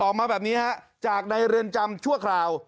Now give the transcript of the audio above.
ออกมาแบบนี้ฮะจากในเรือนจำชั่วคราว